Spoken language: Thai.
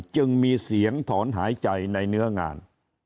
จึงมีเสียงถอนหายใจในเนื้องาน